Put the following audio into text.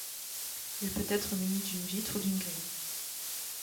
Elle peut être munie d’une vitre ou d’une grille.